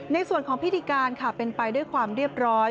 ในส่วนของพิธีการค่ะเป็นไปด้วยความเรียบร้อย